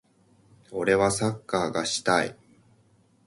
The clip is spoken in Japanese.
俺はサッカーがしたい。